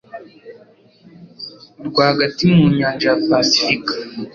Rwagati mu nyanja ya Pasifika